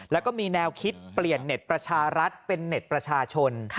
แล้วก็มีแนวคิดเปลี่ยนเน็ตประชารัฐเป็นเน็ตประชาชน